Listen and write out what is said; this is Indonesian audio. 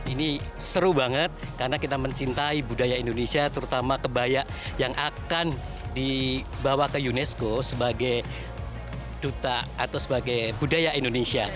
ini seru banget karena kita mencintai budaya indonesia terutama kebaya yang akan dibawa ke unesco sebagai duta atau sebagai budaya indonesia